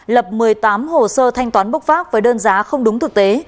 lập một mươi tám hồ sơ thanh toán bốc vác với đơn giá không đúng thực tế